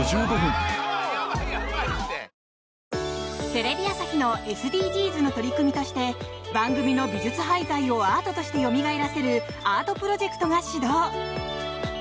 テレビ朝日のＳＤＧｓの取り組みとして番組の美術廃材をアートとしてよみがえらせるアートプロジェクトが始動。